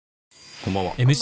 こんばんは。